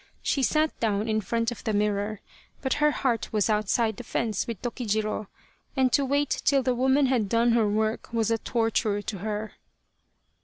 She sat down in front of the mirror, but her heart was outside the fence with Tokijiro, and to wait till the woman had done her work was a torture to her.